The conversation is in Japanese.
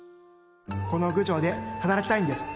この郡上で働きたいんです！